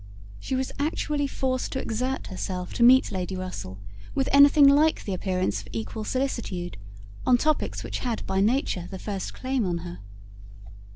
She was actually forced to exert herself to meet Lady Russell with anything like the appearance of equal solicitude, on topics which had by nature the first claim on her.